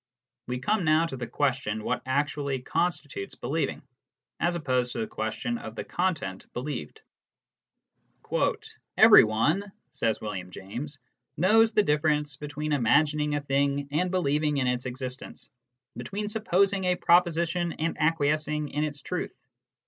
We come now to the question what actually constitutes believing, as opposed to the question of the content believed. "Everyone," says William James, "knows the difference between imagining a thing and believing in its existence, between supposing a proposition and acquiescing in its truth.